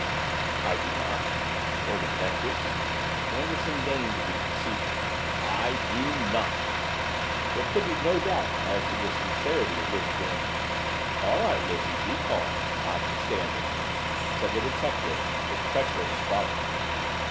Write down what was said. "I do not!" "Or detectives?" Anderson deigned to be facetious. "I DO NOT!" There could be no doubt as to the sincerity of Lizzie's answer. "All right, Lizzie. Be calm. I can stand it," said the detective with treacherous suavity.